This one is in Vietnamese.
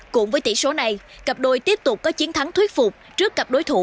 cũng với tỷ số này cặp đôi tiếp tục có chiến thắng thuyết phục trước cặp đối thủ